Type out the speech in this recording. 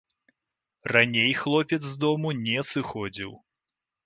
Раней хлопец з дому не сыходзіў.